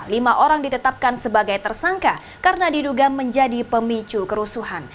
lima orang ditetapkan sebagai tersangka karena diduga menjadi pemicu kerusuhan